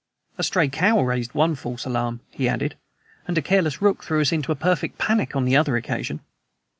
A stray cow raised one false alarm," he added, "and a careless rook threw us into a perfect panic on another occasion."